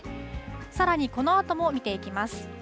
さらにこのあとも見ていきます。